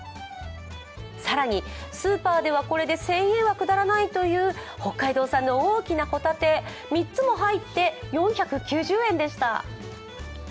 更に、スーパーではこれで１０００円は下らないという北海道産の大きなほたて、３つも入って４９０円でした。